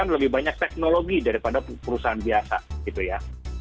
lebih banyak teknologi daripada perusahaan biasa gitu ya